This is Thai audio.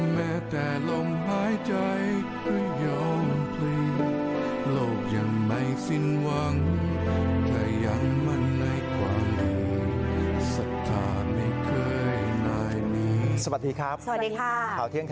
แม้แต่ลมหายใจก็ยอมพลี